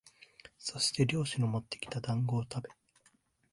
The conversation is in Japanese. そして猟師のもってきた団子をたべ、